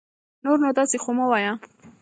نور نو داسي خو مه وايه